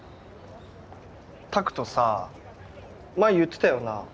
拓人さ前言ってたよな。